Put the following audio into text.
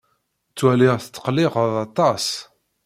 Ttwaliɣ tetqelliqeḍ aṭas.